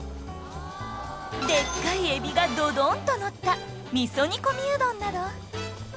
でっかいエビがドドンとのったみそ煮込みうどんなど